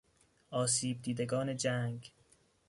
آسیب دیدگان جنگ